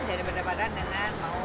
dan bertepatan dengan mau